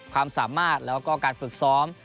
ความสามารถแล้วก็การฝึกซ้อม